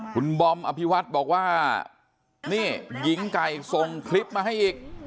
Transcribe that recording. คุณบอมอภิวัฒน์บอกว่านี่หญิงไก่ส่งคลิปมาให้อีก